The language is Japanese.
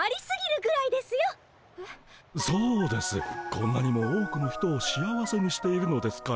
こんなにも多くの人を幸せにしているのですから。